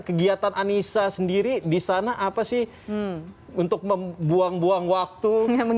kegiatan anissa sendiri di sana apa sih untuk membuang buang waktu